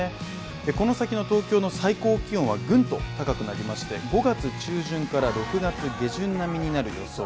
この先の東京の最高気温はぐんと高くなりまして５月中旬から６月下旬並みになる予想